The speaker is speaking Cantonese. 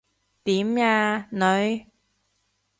點呀，女？